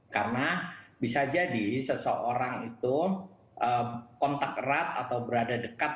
karena bisa jadi seseorang itu kontak erat atau berada dekat